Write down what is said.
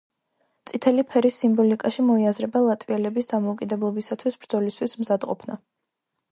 წითელი ფერის სიმბოლიკაში მოიაზრება ლატვიელების დამოუკიდებლობისათვის ბრძოლისთვის მზადყოფნა.